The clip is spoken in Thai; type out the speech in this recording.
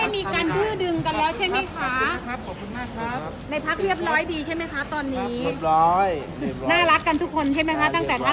มันก็ต้องแบบว่าสูงใส่ตาวประชาชนเลยเนี่ยค่ะ